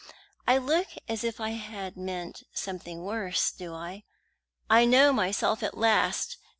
I look as if I had meant something worse, do I? I know myself at last!